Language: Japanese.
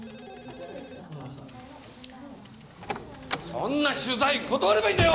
そんな取材断ればいいんだよ！